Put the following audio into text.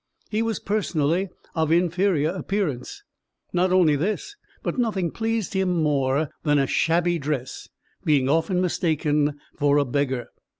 He was personally of inferior appearance; not only this, but nothing pleased him more than a shabby dress, being often mistaken for a beggar.